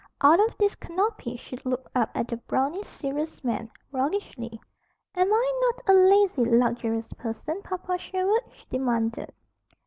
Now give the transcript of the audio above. Out of this canopy she looked up at the brawny, serious man, roguishly. "Am I not a lazy, luxurious person, Papa Sherwood?" she demanded.